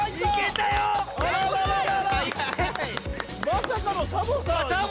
まさかのサボさん。